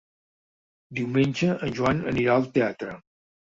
Diumenge en Joan anirà al teatre.